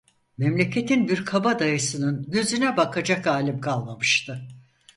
Memleketin bir kabadayısının yüzüne bakacak halim kalmamıştı.